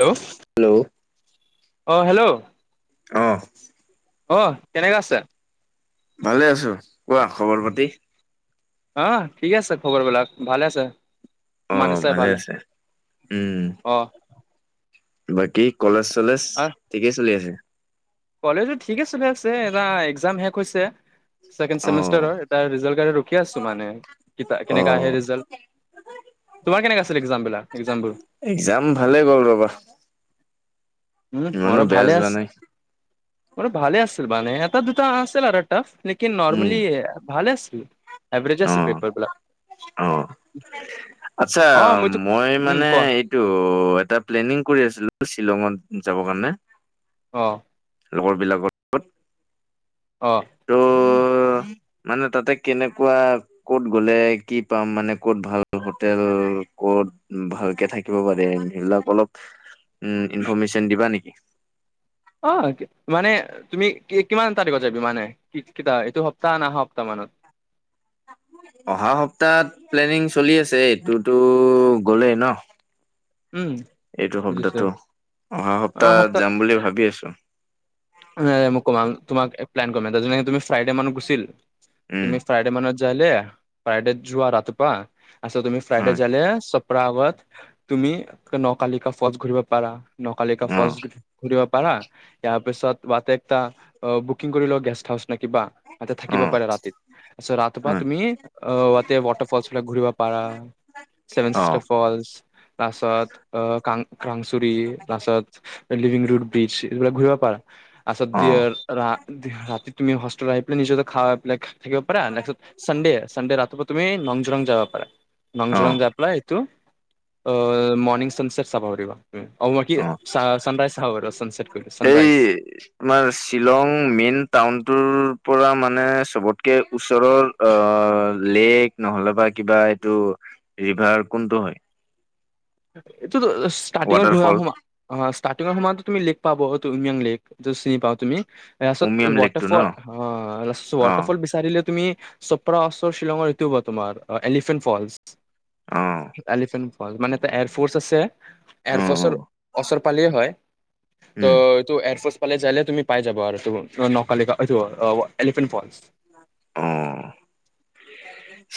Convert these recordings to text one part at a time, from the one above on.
Hello অ' hello অ ' অ 'কেনেকা আছে ভালে আছো কোৱা খবৰ পাতি। অহ ঠিক আছে খবৰবলাক ভালে আছে অ তোমাৰ নিচিনাই 'ভালে আছে উম অ বাকী কলেচ কলেজ ঠিকেই চলি আছে । যে এটা একজাম শেষ হৈছে। অ', অ', [inaudible] এক্জাম ভালে গ'ল ৰ'বা উম ইমানো বেয়া যোৱা নাই। মইটো ভালে আছিল মানে এটা দুটা আছিল আৰু টাফ লেকিন নৰ্মেলি ভালে আছে। ঠিক, অহ অহ আচ্ছা অ মইতো মই উম মানে কোৱা এইটো এটা প্লেনিং কৰি আছিলো । শ্বিলঙত যাবৰ কাৰণে অ' লগৰবিলাকৰ। অহ অহ মানে তাতে কেনেক কোৱা ক'ত গ'লে কি পাম মানে ক'ত ভাল হোটেল কত ভালকে থাকিব পাৰে মহিলাক অলপ। উম ইনফৰমেশ্যন দিবা নেকি? অ মানে তুমি কি কিমান তাৰিখত যাবি মানে কি কটা এইটো সপ্তাহ ন অহা সপ্তাহ মানত? অহা সপ্তাহত প্লেনিং চলি আছে এইটোতো গ'লেই ন উম এইটো বুজিছো শব্দটো অহা সপ্তাহ যাম বুলি ভাবি আছো । ন মুকুমাৰ তোমাক প্লন কৰিমাৰ যে তুি ফ্ৰাইডে মানত গছিল উম, তুমি ফ্ৰাইড মনত জলে ফাইড যোৱা ৰাতিপুৱা আছে তুমি ফ্ৰাই দে হয় জালে আগত তুমি নকালিকা ফলচ ঘূৰিব পাৰা । নকালিকা ফলচ অ', ঘূৰিব পাৰা ইয়াৰ পিছত বাতে একটা বুকিং কৰি লও গেষ্ট হাউচ নে কিবা । তাতে থাকিব অ', পাৰে ৰাতিত তাৰছত ৰাতিপুৱা হয়। তুমি আহ তাতে ৱাটাৰ ফলচ বিলাক ঘূৰিব পাৰা চেভেন অ', স্টাৰ ফলচ তাৰপাছত অহ কা ক্ৰাংচুৰি তাছত লিভিং ৰৰুড বিচ এইবিলাক ঘূৰিব পাৰা [inaudible] অ', ৰাতি তুমি হোষ্টেল আহি পেলাই নিজকতে খাবাই পেলাই থাকিব পাৰে ছানডে ৰাতিপুৱা তুমি নংজৰং যাব পাৰা । নং জুলং অ', জাপলাই তো । অহ বাকী অ', চানৰাইজ হব আৰু ছানচছেট কৰি এই ছানৰাইজ । তোমাৰ শ্বিলং মেইন টাউনটোৰ পৰা মানে চবতকে ওচৰৰ লেক নহ'লে বা কিবা এইটো ৰিভাৰ কোনটো হয়? [inaudible] ষ্টাৰ্টিঙত ঘ ৱাটাৰফল সমা ষ্টাৰৰ্টিঙৰ সময়তো তুমি পাব অ উমাং লেক যত চিনি পাওঁ তুমি? উমিয়াম লেকটো ন? ৰাছতটাৰফল অ', অটাৰফল বিচাৰিল তুমি চপ্ৰা ওৰ শ্বিলঙৰ তিও হব তোমাৰ এলিফেণ্ট ফলচ। অ', এলিফেণ্ মানে ত এৰ ফফ'ৰ্ছ আছে। অ', অ', এয়াৰফৰ্চৰ ওচৰ পালিয়ে হয়। টো উম। ইটো এয়াৰফৰ্চ কালে যাইলে তুমি পাই যাবা আৰু নকালিকা এলিফেণ্ট ফল। আহ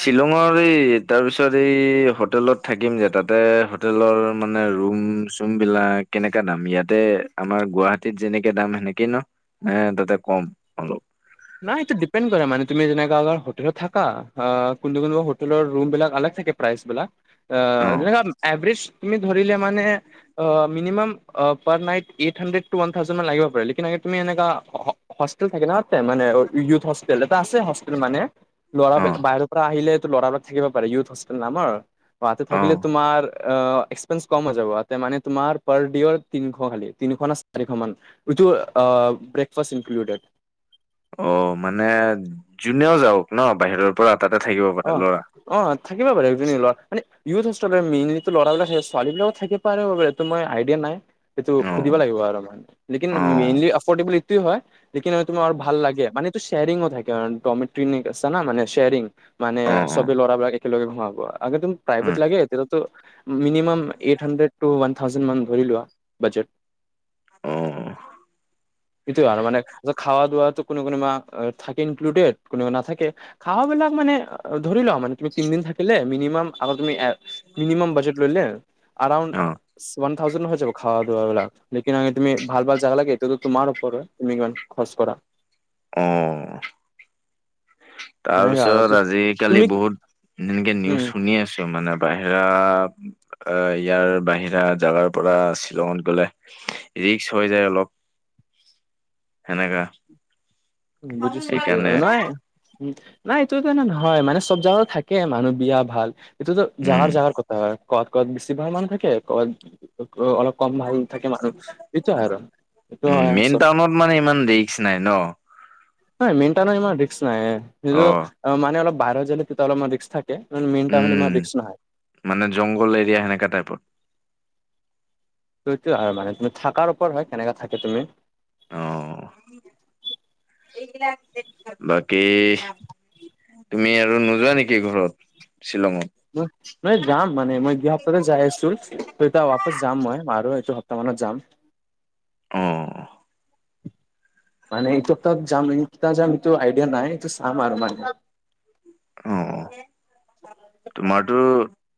শ্বিলঙৰ এই তাৰ পিছত এই হোটেলত থাকিম যে তাতে হোটেলৰ মানে ৰুম চুম বিলাক কেনেককা দাম ইয়াতে আমাৰ গুৱাহাটীত যেনেকে দাম সেনেকেই ন এ তাতে কম অলপ াই এইটো ডিপেড কৰা মানে তুমি যেনে হোেলত থাকা কোন কোনোবা হোেলৰম বিলাক থাকে প্ৰ বিলাক অ', এভজ তুমি ধৰি মানে মিনিমাম পাৰ নাই এই হাডড ান থাে লিব পাৰেুমি হেল থাকে ন তে মানে আৰু ইউথ হোষ্টেল। এটা আছে হোষ্টেল মানে ল'ৰা অ', বাহিৰৰ পৰা আহিলে ল'ৰা লৰা থাকিব পাৰে ইউথ হষ্টেল নামাৰ ৰাতি থাকিলে, অ', তোমাৰ ্ অ মানে যোনেও যাওক ন বাহিৰৰ পৰা তাতে থাকিব পাৰে অ ল'ৰা অ থাকিবা বাৰু একজনী লৰা মানে ইউথ আ মেইনলিটো ল'ৰাবলাক থাকে ছোৱালীবিলাক থাকে পাৰে বু এইটো মইিয়া নাই সেইটো সুধিব অ', লাগিব আৰুমান লকিন অ', মেইনলি এফৰ্ডেবল টো হয়, লেকিন ঐ, তুমাৰ ভাল লাগে, মানে ইটো শ্বেয়াৰিংও থাকে কাৰণ ট্টোমেট্টিনিক আছেনা মানে শেয়াৰিং মানে অ', চবে ল'ৰাবলাক একেলগে ভঙাো আৰু একেদম প্ৰাইভেট অ', লাগে, তেতিয়াতো মিনিমম এইট হণ্্ৰেড ট ন থাউজ মান ধৰি লোৱা, বজেট অ সটোয়ে আৰু মানে খ দোৱাাতো কোনো কোনোবা থাকে ইনক্লুডেড কোনোা নাথাকে খাৱাবলাক মানে ধৰি লোৱা মান তুমি তিদিন থাকিল মিনিমাম আ তুমি মিনিমাম বাজেট লৈলেউড ওৱান থাউজেণ্ড হৈ যাব খ দাবলাক লকিন আগে তুমি ভাল ভাল জাগা লাগেো তোমাৰপৰত তুমি ইমান খৰচ কৰা অ', তাৰ সেনেকা আৰু পিছত আজি-কালি তুমি বহুত এনেকে নিউজ উম শুনি আছু মানে বাহিৰা, অ', ইয়াৰ বাহিৰা জাগাৰ পৰা শ্বিলংত গ'লে, ৰিক্স হৈ যায় অলপ। সেনেকা। বুজিছোঁটো, সেইকাৰণে নহয়। উম নাই এইটোতানে নহয় মানে চব জাগগা থাকে মানুহ বিয়া ভাল ইটো টো উম জাগাৰ-জাগাৰ কথা হয়। কত কত বেছিভাগ মানুহ থাকে ক অলপ কম ভাল থাকে মানুহ সেইটো আৰু সটো উম হয় মেইন আচল টাউনত মানে ইমান ৰিক্স নাই ন ন মিণ্ট নম নাই সেইটো অ মানে অলপ বাহ যলে তে তলাৰ ক্সা উম মানে জংঘল এৰিয়া সেনেকা টাইপত টো সিটোৱে আৰু মানে তুমি থাকাৰ ওপৰত হয়, কেনেকে থাকে তুমি। আহ এইবিলাক জেদ কৰা, নাই কি তুমি আৰু নোযোৱা নেকি ঘৰত শ্বিলঙত ন, নহয় যাম মানে মই গিহাৰ তাতে যাই আছু। ত এতিয়া বাপচ যাম মই আৰু এইটো সপ্তাহ মানত যাম অহ্। মানে এইটো সপ্তাহ যাম, এ কিতা যাম এইটো আইডিয়া নাই। এইটো চাম আৰু মানে। অ তোমাৰটো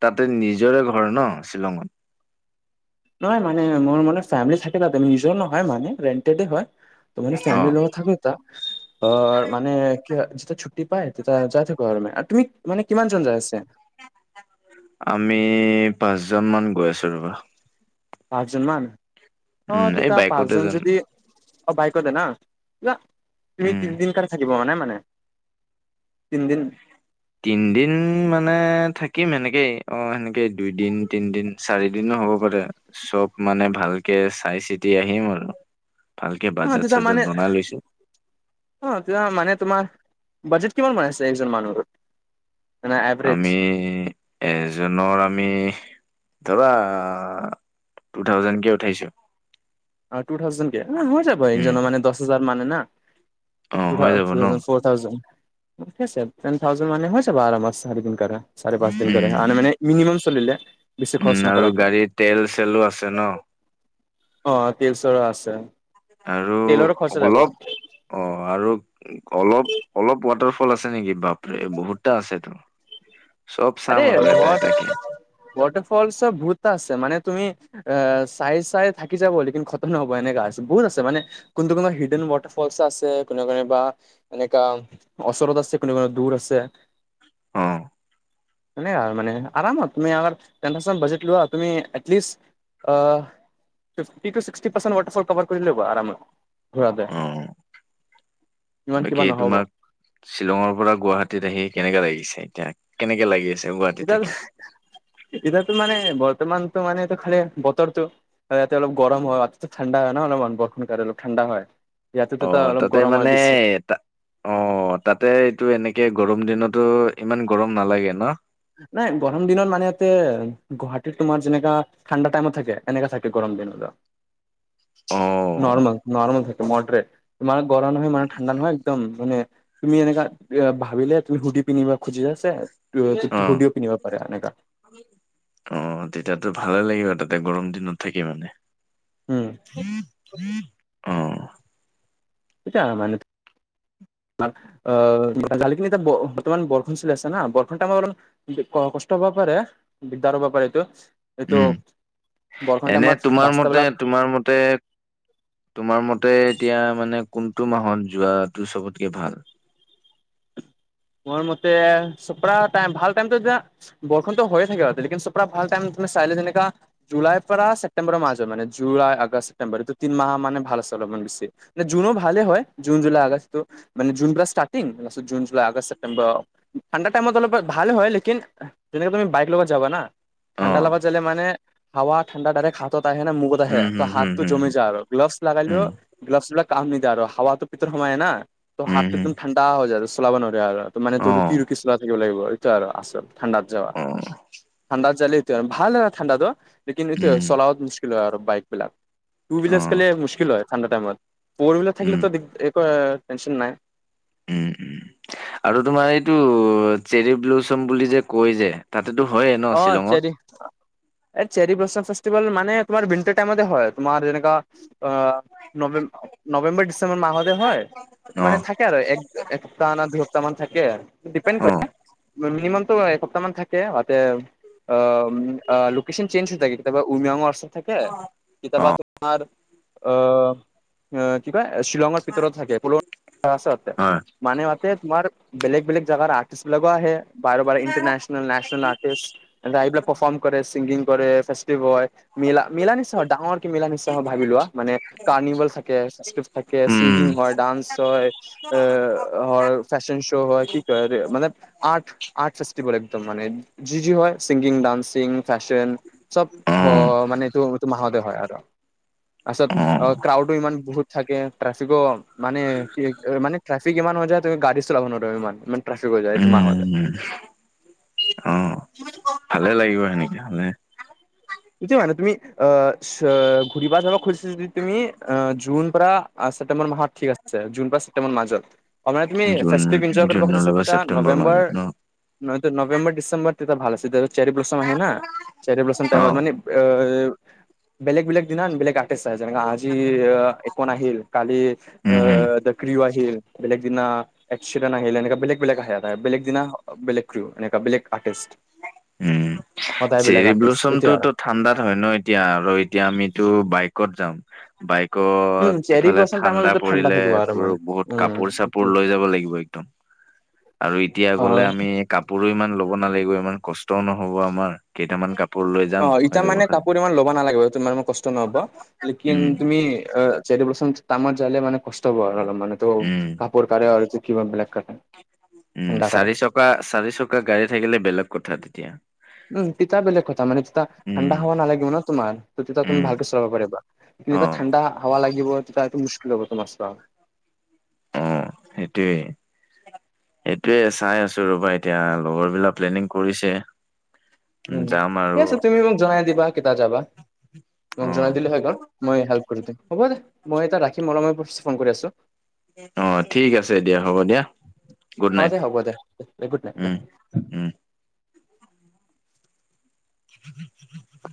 তাতে নিজৰে ঘৰ ন শ্বিলঙত নহয় মানে মোৰ মানে ফেিলি থাকেমি নিজৰও নহয় মানে ৰেণ্টেড হয় তো মানে অ'। ফেমলিৰ থাকে এতিয়া। অ', মানে কি হ যেতিয়া ছুট্টি পায়, তেতিয়া যাই থাকু আৰু মানে। অ তুমি মানে কিমান জন যাই আছে আমি পাঁচ জমান গৈ আছো ৰবা পাঁচজনমান উম এই বাইকতে যাম অ', বাইকতে না, না। তুমি উম, তিনিদিন কাৰণে থাকিব মানে মানে তিনিদিন, তিনদিন মানে থাকিম সেনেকেই অ 'সেনেকেই দুইদিন -তিনদিন- চাৰি দিনো হ'ব পাৰে চব মানে ভালকে চাই চিতি আহিম আৰু। ভালকে অ বাজেট তেতিয়া চাজেট মানেহ, বনাই লৈছো। অ', তিয়া মানে তোমাৰ বাজেট কিমান বনাইচে এজন মানুহৰ? মানে এভাৰেজ আমি, এজনৰ আমিহ ধৰা টু থাউজেণ্ডকে উঠাইছো। অ, টু থাউজেণ্ডকে। ন' হৈ যাব উম, একজনৰ মানে দহ হাজাৰ। মানে না। টো অ', হৈ থাউজেণ্ড - যাব ন? টোথাউজণ্ড, ফ'ৰ থাউজেণ্ড উঠছে টেন থাউজেণ্ড মানে হৈ যাব আৰামত চাৰি দিন কাৰণে। চাৰে পাঁচ দিন উম, কাৰণে মানে মিনিমাম, চলিলে। বেছি খৰচ উম, আৰু নকৰাকে গাড়ীৰ তেল চেলো আছে ন'। অ' তেল -চেলো আছে । আৰু অলপ অ' আৰু অলপ -অলপ ৱাটাৰ, ফল আছে নেকি বাপ? বহুত টা আছে তো, আৰে ৱাটাৰ ফল চব বহুততা আছে মানে, তুমি আহ, চাই -চাই থাকি যাব লেকিন খতম নহ'ব এনেকা আছে। বহুত আছে মানে কোনটো- কোনটো হিডেন ৱাটাৰ ফলচ আছে, কোনোবা- কোনোবা এনেকা ওচৰত আছে কোনো কোনোবা দূৰ আছে। অহ, এনে আৰ মানে আৰামত তুমি আ- টেন পাৰ্চেণ্ট বাজেট লোৱা তুমি at least fifty to sixty percent waterfall cover কৰি লবা আৰামত। ঘূৰাতে অ' ইমান কিবা বাকী নহ'ব তোমাক শ্বিলঙৰ পৰা গুৱাহাটীত আহি কেনেকা লাগিছে এতিয়া? কেনেকে লাগি আছে? গুৱাহাটী এতিয়া থাকি। এতিয়াতো মানে বৰ্তমানতো মানে খালি বতৰটো, ইয়াতে অলপ গৰম হয়, মাজতে ঠাণ্ডা হয় ন' অলপমান বৰষুণ কাৰণে অলপ ঠাণ্ডা হয়। ইয়াতেতো ত অ' অলপ তাতে গৰম হয় মানে বেছি ত' অ, ' তাতে এইটো এনেকে গৰম, গৰম দিনতো ইমান গৰম নালাগে ন'? নাই গৰম দিনত মানে ইয়াতে গুৱাহাটীত তোমাৰ যেনেকা ঠাণ্ডা টাইমত থাকে এনেকা থাকে গৰম দিনতো। অ নৰ্মেল - নৰ্মেল থাকে। মোৰ তাতে ইমান গৰম নহয় মানে ঠাণ্ডা নহয় একদম মানে তুমি এনেকা ভাবিলে তুমি সুধি পিনি খুজি আছে, অ' সুধিও পিন্ধিব পাৰা এনেকা অ' তেতিয়াতো ভালে লাগিব তা, এ, গৰম দিনত থাকি মানে। উম, অহ, ' সয়া মানে আহ গালিখিনি এতিয়া বৰ্তমান বৰষণ চলি আছে না বৰ্ষণটা আমাৰ অলপ কষ্ট হব পাৰে দিগদাৰ হ'ব পাৰে এইটো এইটো উম বৰষুণ এনে টাইমত তোমাৰ ৰাস্তাবিলাক মতে তোমাৰ মতে তোমাৰ মতে এতিয়া মানে । কোনটো মাহত যোৱাটো চবতকে ভাল মোৰ ভাইমতিয়া বৰষুতো হৈয়ে থাকে চৰা ভাল টাইম চাই যেনেকা জুলাই পৰা ছেপ্তেম্বৰৰ মাজ হয় মানে জুলাই আগষ্ট ছেপেম্বৰটো তি মাহ মানে ভাল আছে অলপমান বেছি জুনো ভালে হয় জুন জুলাই আগষ্টটো মানে জুন ষ্টাৰ্টিংু আগষ্ট ছেপটেম্বৰ ঠাণ্ডা টাইমত অলপ ভাল হয় লেকিন যেনেকে তুমি বাইক লগত যাবা ঠাণ্ডা অ'। লগাই যালে মানে হাৱা ঠাণ্ডা ডাইৰেক্ হাতত আহে মুগত আহে উম, হুম, হুম, হাততটো হুম, জমি যায় আৰু গ্লভছ ল লগালেও উম, গ্লভছ বিলাক । কাম নিদে আৰু হাৱাাতটো ভিতৰ সময়ে না ত উম, হাতটো হুম, একদম ঠাণ্ডা হৈ য আৰু ত মান তোৰোক কি অ', ৰী চলা থাক লাগিব এইটো আৰু আল ঠাণ্ডাত যাবা অ', ঠাণ্ডাত জাল ব ভাল এা থঠণ্ত লকিন ইতিে উম, চলাবত মুশকিল হয় আৰুব বাইক বিলাক । টুইলাৰছ অ', খালে মু্ছকিল হয় ঠাডা টাইমত পৰবিলা থাকিল উম, তো টেনচন নাই । উম উম আৰু তোমাৰ এইটো চেৰি ব্লুচম বুলি যে কয় যে । তাতেতো হয়ে ন শ্বিলঙত । চে ফেভেল মানে তমাৰাৰ টাইম হয় তোমাৰ যেনে অ নেম নৱেম্বৰ ডিচেম্বৰ মাহতে হয় মানে অ', থাকে আৰু একসপ্তাহ ন দুপ্তাহ তামান থাকে আৰু ডিপেণ্ড অ', কৰে মিনিমাম তটো এসপ্তাহ মান থাকে এ অ লোকেশচন চেঞ্জ হৈ থাকে তাপা উমিয়ং থে কেতিাবা অ', তোমাৰ আহ । [unintelligible] শ্বিলঙৰ ভিতৰত থাকে কতে হয়, মানে মাতে তোমাৰ বেলেগ বেলেগ জাগগাৰ আৰ্টিষ্ট লগোৱা আহে বাৰ বাৰে ইটৰনেশ্যল নে্যল আ ৰা এইবেলাক পাৰফৰ্ম কৰে ছিংগিং কৰে ফেচতিভেল হয় মা মেলা নিচিনাই হয় ডাঙৰকৈ মেলা নিচিনাই হয়। ভাবি লোৱা মানে কাৰ্ণভেল থাকে থাকে উম। চিংগিং হয় ডান্স হয় এ হয় ফেশ্বন শ্ব' হয় কি ক মানে আৰ্ট আৰ্ট ফেষ্টিভেল একদম মানে যি যি হয় ছিংগিং ডান্সিং ফেশ্বন চব অ', মানে এইটো এইটো মাহতে হয় আৰু তাৰত অ', ক্ৰাউডো ইমান বহুত থাকে ট্ৰেফিকো মানে কি মানে ট্ৰেফিক ইমান হৈ যায় ত গাড়ী চলাব নোৱাৰ ইমান ইমান ট্ৰফিক হৈ যায় এইটো মাহতে উম, অ', ভালে লাগিব সেনেকে ভালে সেইটোৱে তুমি আঁহ ঘূৰিব যাব খুজিছা যদি তুমি আহ জুন পৰা ছেপটেম্বৰ মাহত ঠিক আছে জুন পৰা ছেপ্তেম্বৰ মাজত অঁ মানে তুমি জুন ফেষ্টিভ এনজয় কৰিব জুন নহ'লেবা খুজিছাা ছেপ্তেম্বৰ নৱেম্বৰ মাজত ন নবেম্বৰ ডিচেম্বৰত তেতিয়া ভালছিল যে চেৰিব্লচম আহে না তাৰ অ মানে অঁ বেলেগ বেলেগ দিনা বেলেগ আৰ্টিষ্ট আঅঁহ যেনে আজি একন আহিল কালি উম হম দ ক্ৰউ আহিল বেলেগ দিনা এচিডন আহিল এনেকা বেলেগ বেলেগ আহ বেলেগ দিনা বেলেগ ক্ৰ এনেকা বেলেগ আৰ্টিষ্ট সদায় বেলেগ [unintelligible] ঠাণ্ডা হয় ন এতিয়া আৰু এতিয়া আমি তো কত যাম বাইক উম চেৰী ব্লচম টাইমত ঠাণ্ডা যিটো থাকিব আৰু মানে বহুত উম কাপোৰ চাপোৰ এইটোৱে লৈ যাব লাগিব একদম এতিয়া অ গলে ল'ব নালাগিব, ইমান কষ্টওঁ নহ'ব আমাৰ কেইটামান কাপ অঁ এতিয়া মানে কাপোৰ ইমান ল'ব নালাগিব তুমি ম কষ্ট নহব লেকিন উম তুমি চটো প্ৰথম তামাৰ জালে মান কষ্ট হব আৰু অল মানে তো উম কাপোৰ কাৰে আৰু কিবা বেলেগ কাৰে উম ঠাণ্ডা কাৰে চাৰি চকা, চাৰি চকা গাড়ী, থাকিলে বেলেগ কথা তেতিয়া উম তেতিয়া বেলেগ কথা মানে যেতিয়া ঠাণ্ডা উম হাৱা নালাগিব ন তোমাৰ ত তেতিয়া তুমি উম ভালকে চলাব পাৰিবা কিন্তু অ তেতিয়া ঠাণ্ডা হাৱা লাগিব তেতিয়া মুশকিল হব তোমাৰ ছা, অঁ সেইটোৱেই সেইটোৱেই চাই আছো ৰবা এতিয়া লগৰ বিলাক প্লেনিং কৰিছে উম যাম ঠিক আৰু আছে তুমি মোক জনাই দিবা কেইটা যাবা মোক অ জনাই দিলে হৈ গ'ল মই হেল্প কৰি দিম হ'ব দে মই এটা ৰাখি মৰময় প ফোন কৰি আছোঁ অঁ ঠিক আছে দিয়া হ'ব দিয়া গুড অ নাইট দে হ'ব দে গুড নাইট দে। উ উ উুম হুম হু উু হু